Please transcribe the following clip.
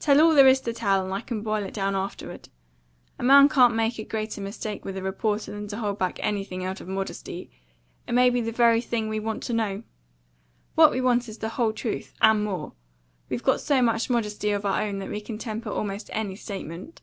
Tell all there is to tell, and I can boil it down afterward. A man can't make a greater mistake with a reporter than to hold back anything out of modesty. It may be the very thing we want to know. What we want is the whole truth; and more; we've got so much modesty of our own that we can temper almost any statement."